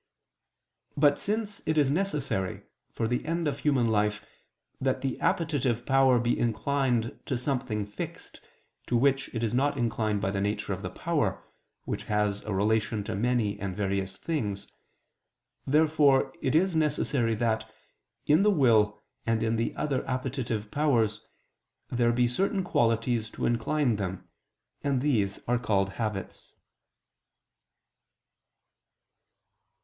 But since it is necessary, for the end of human life, that the appetitive power be inclined to something fixed, to which it is not inclined by the nature of the power, which has a relation to many and various things, therefore it is necessary that, in the will and in the other appetitive powers, there be certain qualities to incline them, and these are called habits.